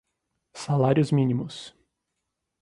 salários-mínimos